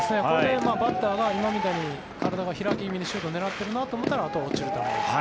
バッターが今みたいに体が開き気味でシュートを狙っているなと思ったら、あとは落ちる球。